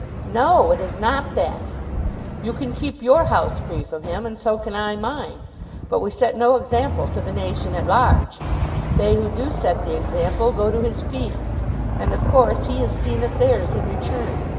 "No; it is not that. You can keep your house free from him, and so can I mine. But we set no example to the nation at large. They who do set the example go to his feasts, and of course he is seen at theirs in return.